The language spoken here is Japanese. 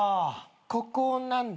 ここなんだ。